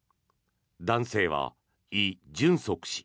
男性はイ・ジュンソク氏。